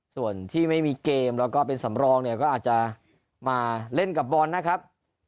ส่วนที่ไม่มีเกมแล้วก็เป็นสำรองเนี่ยก็อาจจะมาเล่นกับบอลนะครับ